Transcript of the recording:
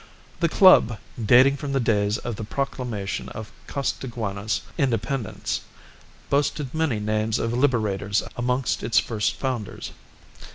The club, dating from the days of the proclamation of Costaguana's independence, boasted many names of liberators amongst its first founders.